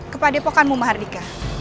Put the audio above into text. kepada epokanmu mahardika